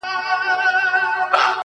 ځمه ويدېږم ستا له ياده سره شپې نه كوم,